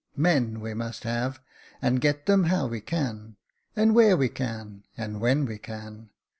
Men we must have, and get them how we can, and where we can, and when we can.